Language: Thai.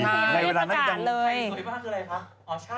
เขาได้ประกาศเลยใครสวยบ้างคืออะไรคะ